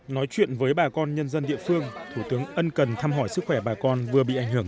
nói chuyện với bà con nhân dân địa phương thủ tướng ân cần thăm hỏi sức khỏe bà con vừa bị ảnh hưởng